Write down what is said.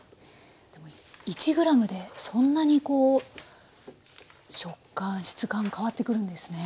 でも１ｇでそんなにこう食感質感変わってくるんですね。